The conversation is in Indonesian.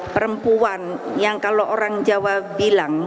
perempuan yang kalau orang jawa bilang